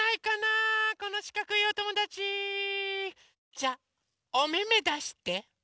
じゃおめめだして。